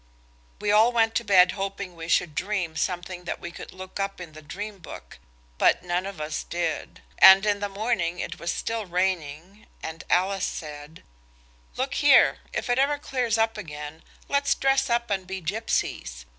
We all went to bed hoping we should dream something that we could look up in the dream book, but none of us did. And in the morning it was still raining and Alice said– "Look here, if it ever clears up again let's dress up and be gipsies.